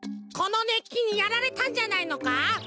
このねっきにやられたんじゃないのか？